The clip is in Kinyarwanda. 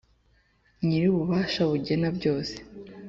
nyir'ububasha bugena byose